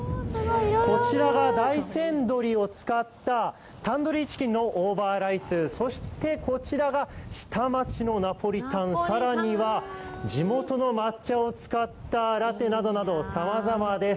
こちらが大山どりを使ったタンドリーチキンのオーバーライス、そしてこちらが下町のナポリタン、さらには地元の抹茶を使ったラテなどなど、さまざまです。